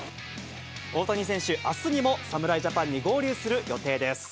大谷選手、あすにも侍ジャパンに合流する予定です。